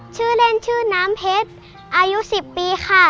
ชื่อเล่นชื่อน้ำเพชรอายุ๑๐ปีค่ะ